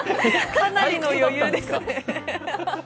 かなりの余裕ですね。